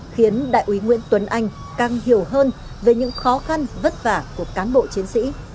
khiến đại úy nguyễn tuấn anh càng hiểu hơn về những khó khăn vất vả của cán bộ chiến sĩ